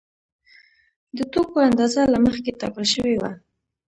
د توکو اندازه له مخکې ټاکل شوې وه